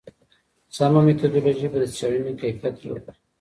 سمه میتودولوژي به د څېړني کیفیت لوړ کړي.